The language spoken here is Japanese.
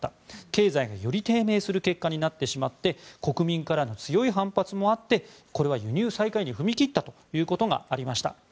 経済が、より低迷する結果になってしまって国民からの強い反発もあってこれは輸入再開に踏み切ったということがありました。